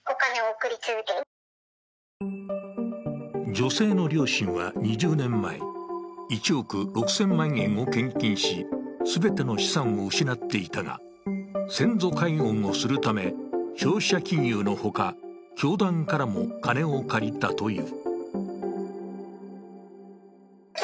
女性の両親は２０年前、１億６０００万円を献金し、全ての資産を失っていたが、先祖解怨をするため消費者金融のほか、教団からも金を借りたという。